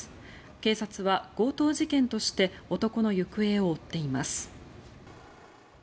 警察は強盗事件として男の行方を追っています。